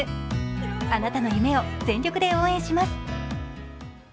あなたの夢を全力で応援します。